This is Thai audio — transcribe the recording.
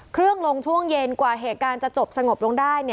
ลงช่วงเย็นกว่าเหตุการณ์จะจบสงบลงได้